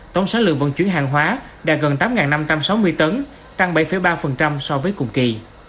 tổng sản lượng vận chuyển hàng hóa đạt gần tám năm trăm sáu mươi tấn tăng bảy ba so với cùng kỳ